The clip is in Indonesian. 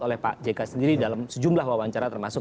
oleh pak jk sendiri dalam sejumlah wawancara terbaru ini